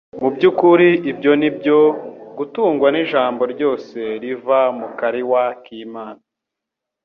Mu by'ukuri ibyo ni byo « gutungwa n'ijambo ryose riva mu kariwa k'Imana. »